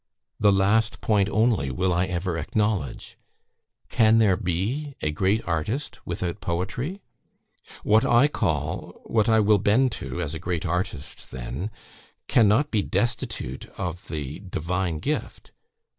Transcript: "The last point only will I ever acknowledge. "Can there be a great artist without poetry? "What I call what I will bend to, as a great artist then cannot be destitute of the divine gift.